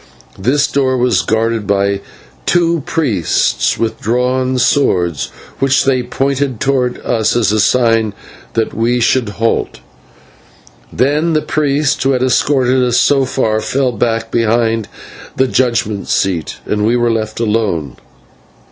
This door was guarded by two priests with drawn swords, which they pointed towards us as a sign that we should halt. Then the priests who had escorted us so far fell back behind the judgment seat, and we were left alone.